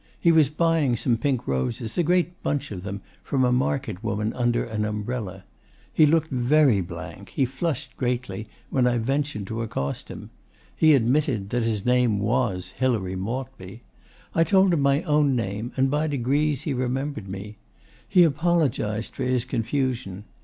He was buying some pink roses, a great bunch of them, from a market woman under an umbrella. He looked very blank, he flushed greatly, when I ventured to accost him. He admitted that his name was Hilary Maltby. I told him my own name, and by degrees he remembered me. He apologised for his confusion.